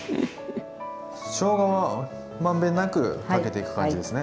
しょうがは満遍なくかけていく感じですね。